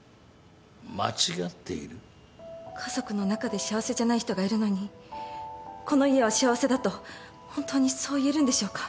家族の中で幸せじゃない人がいるのにこの家は幸せだと本当にそう言えるんでしょうか。